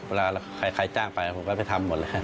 เวลาใครจ้างไปผมก็ไปทำหมดเลย